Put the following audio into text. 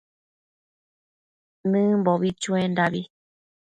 Nëbimbo chuendabi